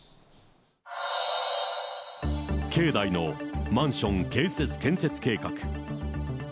境内のマンション建設計画。